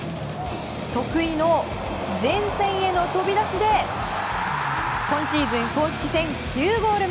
得意の前線への飛び出しで今シーズン公式戦９ゴール目。